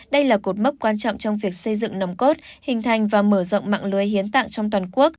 đây là cột mốc quan trọng trong việc xây dựng nòng cốt hình thành và mở rộng mạng lưới hiến tạng trong toàn quốc